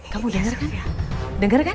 kamu denger kan